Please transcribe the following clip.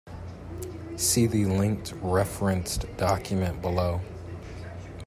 See the linked referenced document below.